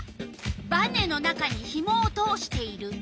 バネの中にひもを通している。